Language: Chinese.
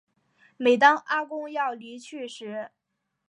每当阿公要离去时